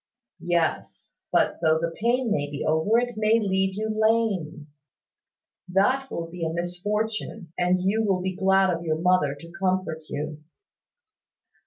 "Yes; but though the pain may be over, it may leave you lame. That will be a misfortune; and you will be glad of your mother to comfort you."